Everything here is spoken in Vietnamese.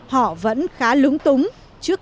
họ vẫn khá lúng túng trước